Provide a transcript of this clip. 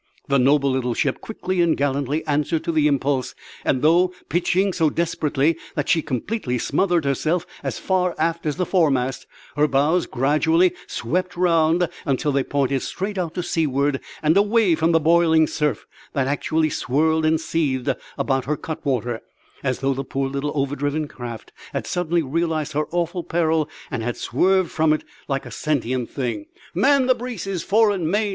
The noble little ship quickly and gallantly answered to the impulse, and, though pitching so desperately that she completely smothered herself as far aft as the foremast, her bows gradually swept round until they pointed straight out to seaward and away from the boiling surf that actually swirled and seethed about her cutwater, as though the poor little overdriven craft had suddenly realised her awful peril and had swerved from it like a sentient thing. "Man the braces, fore and main!"